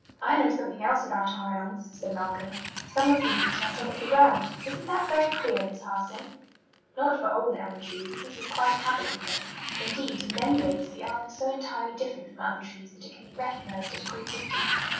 "I know something else about our elms," said Malcolm: "some of the roots are on top of the ground. Isn't that very queer, Miss Harson?" [Illustration: WYCH ELM LEAVES.] "Not for old elm trees, as this is quite a habit with them. Indeed, in many ways, the elm is so entirely different from other trees that it can be recognized at a great distance.